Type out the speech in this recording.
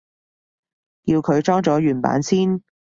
叫佢裝咗原版先